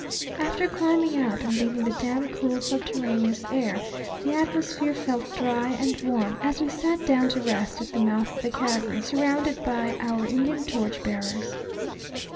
After climbing out and leaving the damp, cool subterraneous air, the atmosphere felt dry and warm, as we sat down to rest at the mouth of the cavern, surrounded by our Indian torch bearers.